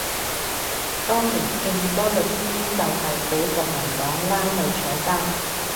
當年勁多律師就係畀國民黨拉去坐監